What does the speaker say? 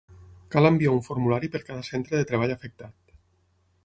Cal enviar un formulari per cada centre de treball afectat.